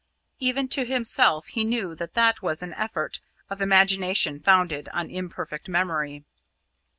Even to himself he knew that that was an effort of imagination founded on imperfect memory.